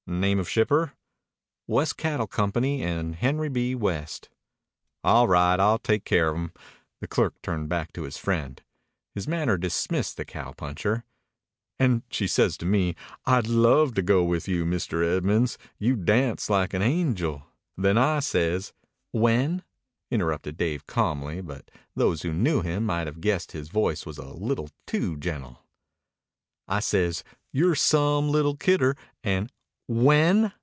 "Name of shipper?" "West Cattle Company and Henry B. West." "All right. I'll take care of 'em." The clerk turned back to his friend. His manner dismissed the cowpuncher. "And she says to me, 'I'd love to go with you, Mr. Edmonds; you dance like an angel.' Then I says " "When?" interrupted Dave calmly, but those who knew him might have guessed his voice was a little too gentle. "I says, 'You're some little kidder,' and " "When?"